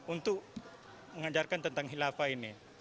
untuk mengajarkan tentang hilafah ini